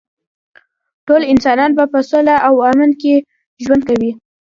ټول انسانان به په سوله او امن کې ژوند کوي